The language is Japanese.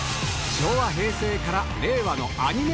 昭和平成から令和のアニメ